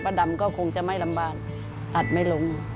ดำก็คงจะไม่ลำบากตัดไม่ลง